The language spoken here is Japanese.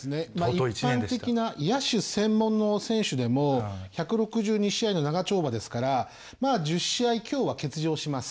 一般的な野手専門の選手でも１６２試合の長丁場ですからまあ１０試合強は欠場します。